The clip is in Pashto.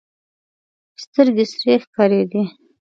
سترګې سرې ښکارېدلې.